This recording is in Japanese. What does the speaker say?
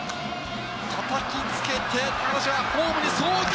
たたきつけてホームに送球！